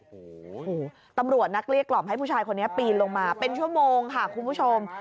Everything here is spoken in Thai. โอ้โหตำรวจนักเกลี้ยกล่อมให้ผู้ชายคนนี้ปีนลงมาเป็นชั่วโมงค่ะคุณผู้ชม